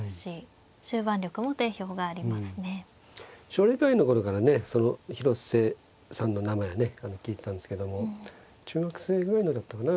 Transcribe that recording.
奨励会員の頃からね広瀬さんの名前はね聞いてたんですけども中学生ぐらいだったかな